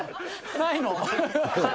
ないの。